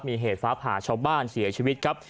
มีเหตุฟ้าผ่าชาวบ้านเสียชีวิตครับ